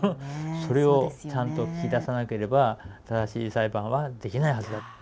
それをちゃんと聞き出さなければ正しい裁判はできないはずだと。